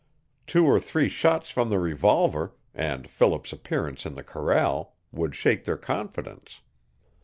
Two or three shots from the revolver and Philip's appearance in the corral would shake their confidence.